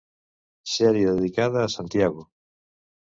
Sèrie dedicada a Santiago.